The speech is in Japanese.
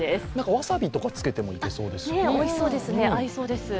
わさびとかつけてもいけそうですよね。